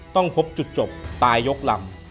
ต้องพบจุดจบตายยกลำ